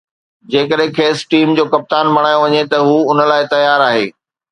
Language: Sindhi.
جيڪڏهن کيس ٽيم جو ڪپتان بڻايو وڃي ته هو ان لاءِ تيار آهي